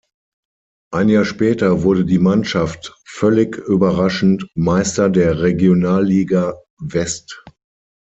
Ein Jahr später wurde die Mannschaft völlig überraschend Meister der Regionalliga West.